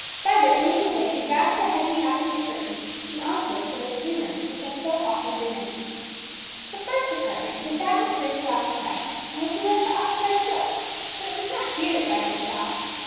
Vibert, leading the way, drew back the heavy tapestry curtain, beyond which lay the two rooms which have so often been mentioned. The first apartment was that which Bruce had occupied, and which he was to occupy still; but it was not here that Vibert stopped.